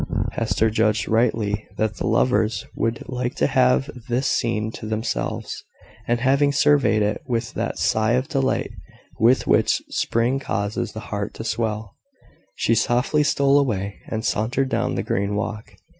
Hester judged rightly that the lovers would like to have this scene to themselves; and having surveyed it with that sigh of delight with which Spring causes the heart to swell, she softly stole away, and sauntered down the green walk.